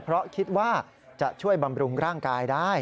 เพราะคิดว่าจะช่วยบำรุงร่างกายได้